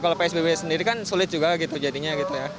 kalau psbb sendiri kan sulit juga gitu jadinya gitu ya